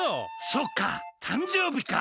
そっか、誕生日か！